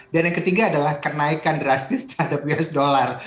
dan yang ketiga adalah kenaikan drastis terhadap us dollar